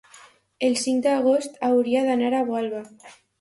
el cinc d'agost hauria d'anar a Gualba.